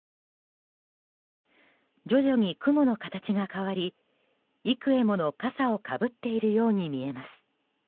徐々に雲の形が変わり幾重もの笠をかぶっているように見えます。